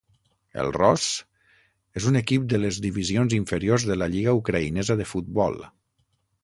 El Ros és un equip de les divisions inferiors de la lliga ucraïnesa de futbol.